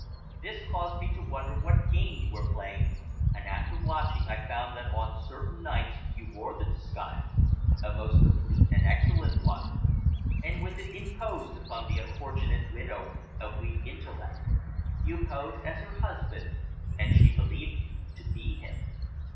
This caused me to wonder what game you were playing, and, after watching, I found that on certain nights you wore the disguise a most complete and excellent one and with it imposed upon the unfortunate widow of weak intellect. You posed as her husband, and she believed you to be him.